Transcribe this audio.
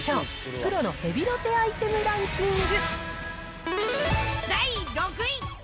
プロのヘビロテアイテムランキン第６位。